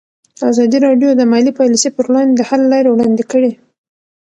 ازادي راډیو د مالي پالیسي پر وړاندې د حل لارې وړاندې کړي.